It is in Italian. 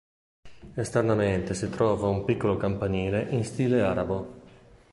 Esternamente si trova un piccolo campanile in stile arabo.